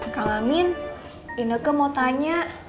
kalamin indeke mau tanya